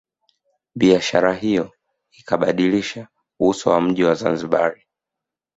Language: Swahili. Biashara hiyo ikabadilisha uso wa mji wa Zanzibar